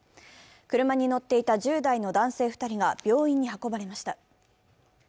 車に乗っていた１０代の男性２人が病院に運ばれました。